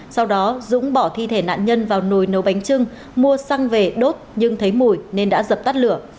sau đó dũng bỏ thi thể nạn nhân vào nồi nấu bánh trưng mua xăng về đốt nhưng thấy mùi nên đã dập tắt lửa